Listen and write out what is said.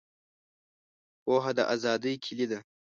پوهه د آزادۍ کیلي ده.